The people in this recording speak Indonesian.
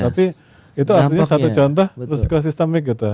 tapi itu artinya satu contoh resiko sistemik gitu